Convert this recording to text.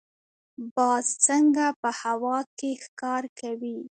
باز څنګه په هوا کې ښکار کوي؟